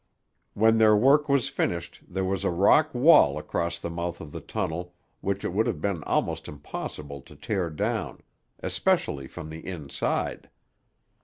When their work was finished there was a rock wall across the mouth of the tunnel which it would have been almost impossible to tear down, especially from the inside.